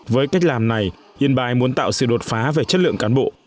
với cách làm này yên bái muốn tạo sự đột phá về chất lượng cán bộ